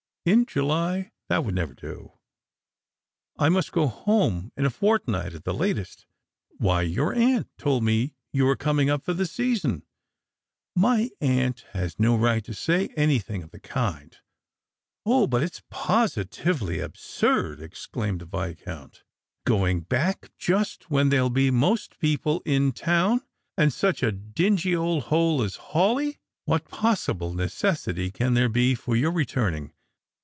" In July; that would never do. I must go home in a fort night at the latest." •' Why, your aunt told me you were coming up for the season !"" My aunt had no right to say anything of the kind." " 0, but it's positively absurd," exclaimed the Viscount, " going back just when there'll be most people in town, and to such a dingy old hole as Hawleigh. What possible necessity can there be for your returning?